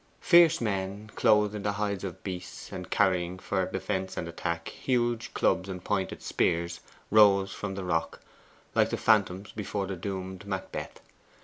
Fierce men, clothed in the hides of beasts, and carrying, for defence and attack, huge clubs and pointed spears, rose from the rock, like the phantoms before the doomed Macbeth.